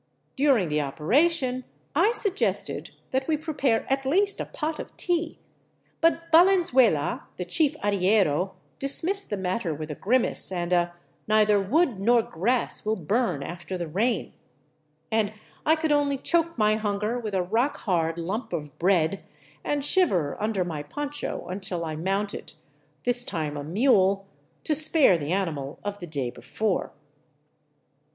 During the operation I suggested that we prepare at least a pot of tea, but Valenzuela, the chief arriero, dis missed the matter with a grimace and a " neither wood nor grass will 306 THE ROOF OF PERU burn after the rain," and I could only choke my hunger with a rock hard lump of bread and shiver under my poncho until I mounted, this time a mule, to spare the animal of the day before.